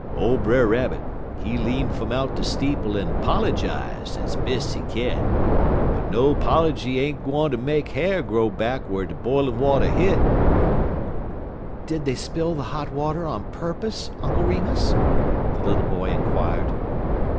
Ole Brer Rabbit, he lean fum out de steeple en 'pollygize de bes' he kin, but no 'pollygy ain't gwine ter make ha'r come back whar de b'ilin' water hit." "Did they spill the hot water on purpose, Uncle Remus?" the little boy inquired.